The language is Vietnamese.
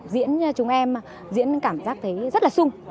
diễn chúng em diễn cảm giác thấy rất là sung